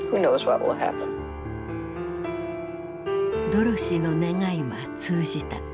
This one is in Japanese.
ドロシーの願いは通じた。